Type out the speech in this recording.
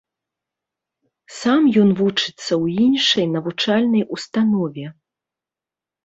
Сам ён вучыцца ў іншай навучальнай установе.